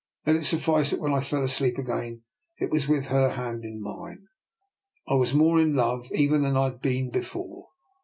Let it suffice that when I fell asleep again it was with her hand in mine. I was more in love even than I had been before.